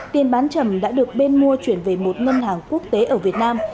tiền bán chậm đã được bên mua chuyển về một ngân hàng quốc tế ở việt nam